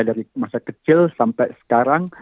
dari masa kecil sampai sekarang